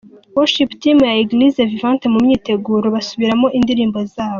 Worship Team ya Eglise Vivante mu myiteguro basubiramo indirimbo zabo.